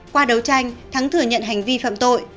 qua đấu tranh thắng thừa nhận hành vi phạm tội